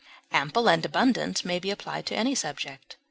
Ample and abundant may be applied to any subject.